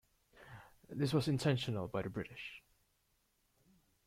This was intentional by the British.